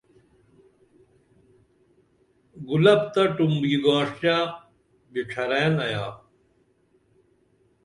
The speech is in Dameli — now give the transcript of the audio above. گُلپ تہ ٹُمبوکی گاݜٹیہ بِڇرئین آیا